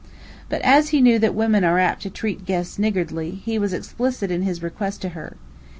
But as he knew that women are apt to treat guests niggardly, he was explicit in his request to her.